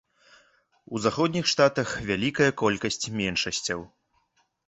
У заходніх штатах вяліка колькасць меншасцяў.